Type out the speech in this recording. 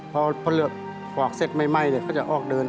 พอเหลือขวากเซ็ตไหม้เขาจะออกเดิน